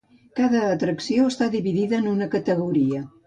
Cada Atracció està dividida en una categoria.